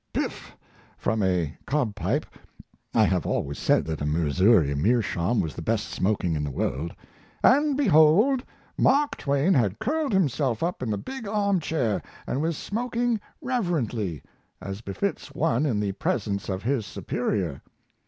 "Piff!" from a cob pipe (I always said that a Missouri meerschaum was the best smoking in the world), and behold! Mark Twain had curled himself up in the big arm chair, and I was smoking reverently, as befits one in the presence of his superior.